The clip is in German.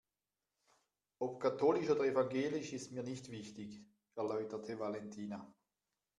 Ob katholisch oder evangelisch ist mir nicht wichtig, erläuterte Valentina.